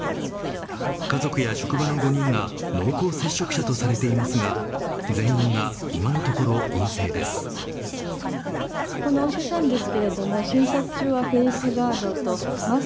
家族や職場の５人が濃厚接触者とされていますが全員が今のところ陰性です。